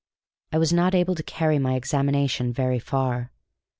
I was not able to carry my examination very far.